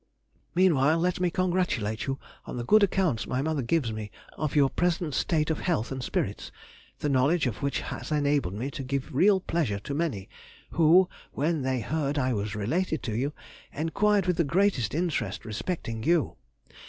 Meanwhile let me congratulate you on the good accounts my mother gives me of your present state of health and spirits, the knowledge of which has enabled me to give real pleasure to many who, when they heard I was related to you, enquired with the greatest interest respecting you.